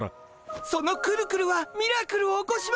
そのくるくるはミラクルを起こします！